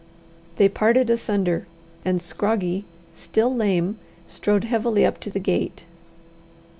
They parted asunder, and Scroggie, still lame, strode heavily up to the gate.